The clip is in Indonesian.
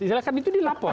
misalnya kan itu dilapor